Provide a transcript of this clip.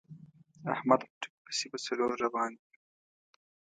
احمد په ټوک پسې په څلور روان وي.